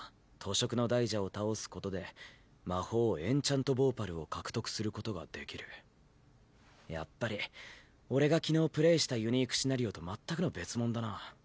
食の大蛇を倒すことで魔法エンチャント・ヴォーパルをやっぱり俺が昨日プレイしたユニークシナリオと全くの別物だな。